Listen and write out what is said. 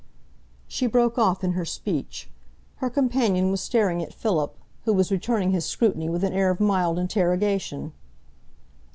She broke off in her speech. Her companion was staring at Philip, who was returning his scrutiny with an air of mild interrogation.